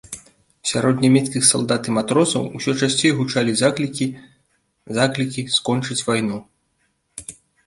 Сярод нямецкіх салдат і матросаў, усё часцей гучалі заклікі заклікі скончыць вайну.